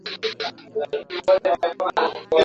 na kutakia msimu mwema wa sherehe za noweli